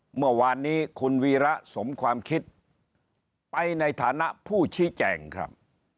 เมื่อวานนี้คุณวีระสมความคิดไปในฐานะผู้ชี้แจงครับ